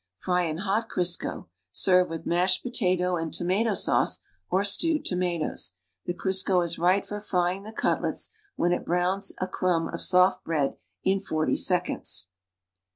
Fry in hot Crisco Ser\'e with mashed potato and tomato sauce or ste\\eil tomatoes. The Crisco is right for frying the cutlets when it brow iis a cruudj of soft bread in tO seconds.